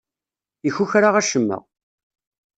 Ikukra acemma.